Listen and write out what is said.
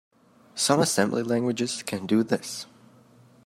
Some Assembly languages can do this.